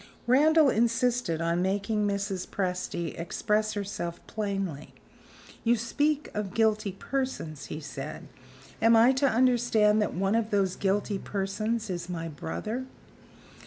Randal insisted on making Mrs. Presty express herself plainly. "You speak of guilty persons," he said. "Am I to understand that one of those guilty persons is my brother?"